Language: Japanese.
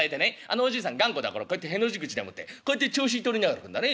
頑固だからこうやってへの字口でもってこうやって調子取りながら歩くんだね。